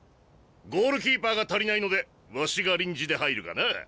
ゴールキーパーが足りないのでわしが臨時で入るがな。